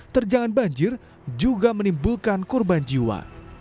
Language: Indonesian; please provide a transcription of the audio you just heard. terjangan banjir juga menimbulkan korban jiwa